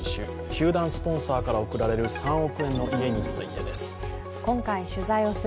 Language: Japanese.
球団スポンサーから贈られる３億円の家についてです。